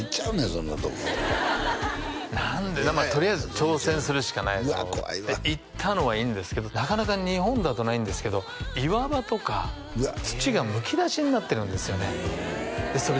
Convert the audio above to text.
そんなとこ何でとりあえず挑戦するしかないだろうって行ったのはいいんですけどなかなか日本だとないんですけど岩場とか土がむき出しになってるんですよねでそれ